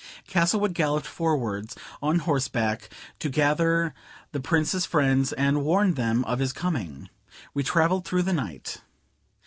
Castlewood galloped forwards on horseback to gather the Prince's friends and warn them of his coming. We travelled through the night.